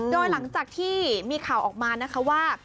โดยหลังจากที่มีข่าวออกมานะคะว่า